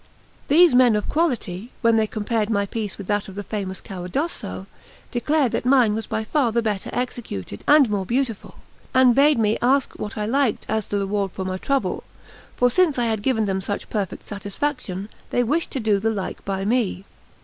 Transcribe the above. These men of quality, when they compared my piece with that of the famous Caradosso, declared that mine was by far the better executed and more beautiful, and bade me ask what I liked as the reward of my trouble; for since I had given them such perfect satisfaction, they wished to do the like by me.